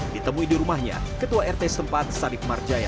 ditemui di rumahnya ketua rt sempat sadik marjaya